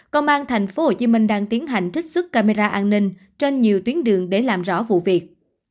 công an tp hcm đang tiến hành trích xuất camera an ninh trên nhiều tuyến đường để làm rõ vụ việc